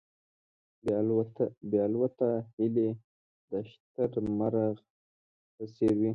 بې الوته هیلۍ د شتر مرغ په څېر وې.